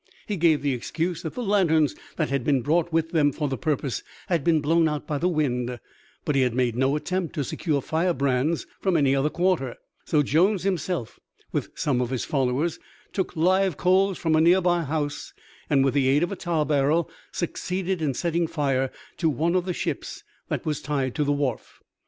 He gave the excuse that the lanterns that had been brought with them for the purpose had been blown out by the wind, but he had made no attempt to secure firebrands from any other quarter. So Jones himself with some of his followers took live coals from a nearby house and with the aid of a tar barrel succeeded in setting fire to one of the ships that was tied to the wharf.